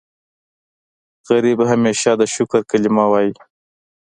غریب همیشه د شکر کلمه وايي